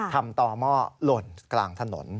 ทำต่อหม้อหล่นกลางถนน